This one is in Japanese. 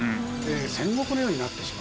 戦国の世になってしまう。